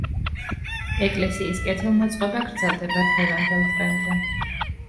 ეკლესიის კეთილმოწყობა გრძელდება დღევანდელ დღემდე.